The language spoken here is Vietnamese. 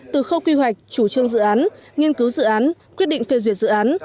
từ khâu quy hoạch chủ trương dự án nghiên cứu dự án quyết định phê duyệt dự án